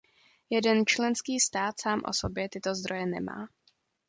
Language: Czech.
Jeden členský stát sám o sobě tyto zdroje nemá.